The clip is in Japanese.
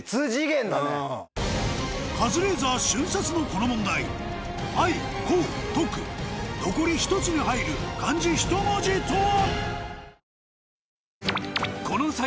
カズレーザー瞬殺のこの問題「愛」「高」「徳」残り１つに入る漢字１文字とは？